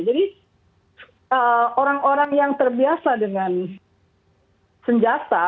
jadi orang orang yang terbiasa dengan senjata